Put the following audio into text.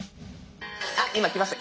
あっ今来ました。